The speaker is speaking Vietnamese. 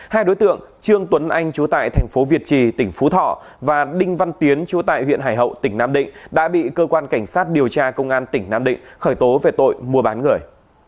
hai đối tượng trương tuấn anh chú tại thành phố việt trì tỉnh phú thọ và đinh văn tiến chú tại huyện hải hậu tỉnh nam định đã bị cơ quan cảnh sát điều tra công an tỉnh nam định khởi tố về tội mua bán người